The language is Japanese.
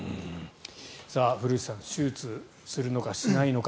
古内さん、手術するのかしないのか。